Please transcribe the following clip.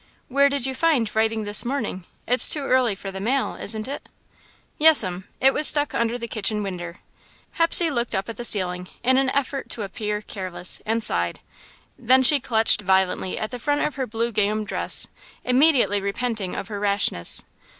"Where did you find 'writing' this morning? It's too early for the mail, isn't it?" "Yes'm. It was stuck under the kitchen winder." Hepsey looked up at the ceiling in an effort to appear careless, and sighed. Then she clutched violently at the front of her blue gingham dress, immediately repenting of her rashness.